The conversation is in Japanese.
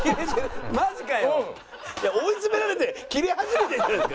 追い詰められてキレ始めてるんじゃないですか？